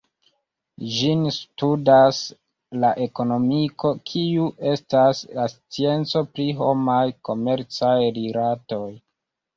Ĝin studas la ekonomiko kiu estas la scienco pri homaj komercaj rilatoj.